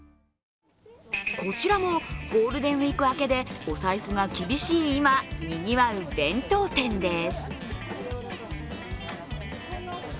こちらもゴールデンウイーク明けでお財布が厳しい今、にぎわう弁当店です。